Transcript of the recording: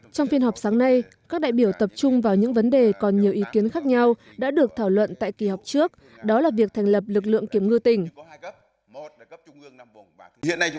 trong phiên họp sáng nay các đại biểu tập trung vào những vấn đề còn nhiều ý kiến khác nhau đã được thảo luận tại kỳ họp trước đó là việc thành lập lực lượng kiểm ngư tỉnh